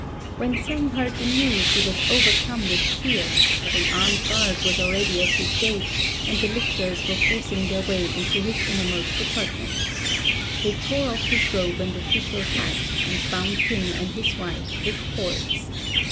When Tsêng heard the news, he was overcome with fear; but an armed guard was already at his gate, and the lictors were forcing their way into his innermost apartments. They tore off his robe and official hat, and bound him and his wife with cords.